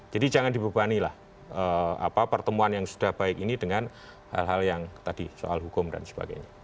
jadi jangan dibebani lah apa pertemuan yang sudah baik ini dengan hal hal yang tadi soal hukum dan sebagainya